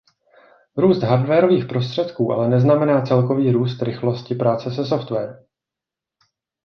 Růst hardwarových prostředků ale neznamená celkový růst rychlosti práce se softwarem.